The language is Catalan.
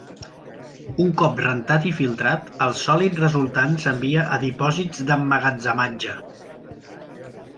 Un cop rentat i filtrat, el sòlid resultant s'envia a dipòsits d'emmagatzematge.